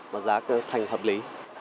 và giá thành hợp lý